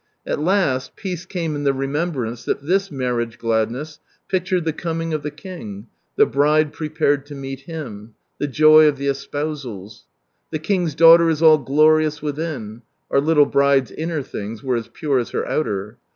At last peace came in the remembrance that this marriage gladness pictured the coming of the King, the Bride prepared to meet Him. The joy of the espousals. " The King's daughter is all glorious within. (Our little bride's inner things were as pure as her outer.)